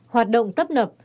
hoạt động tấp nập